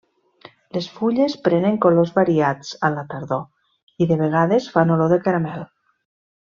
Les fulles prenen colors variats a la tardor i de vegades fan olor de caramel.